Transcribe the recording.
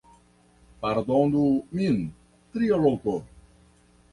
Pardonu min... tria loko